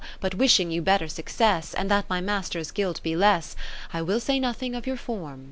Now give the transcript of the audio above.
But wishing you better success. And that my Master's guilt be less, I will say nothing of your form.